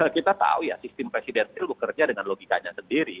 kita tahu ya sistem presiden itu kerja dengan logikanya sendiri